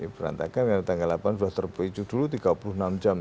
berantakan dari tanggal delapan sudah terpicu dulu tiga puluh enam jam